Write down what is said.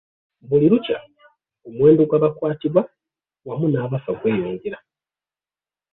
Buli lukya omuwendo gw’abakwatibwa wamu n’abafa gweyongera.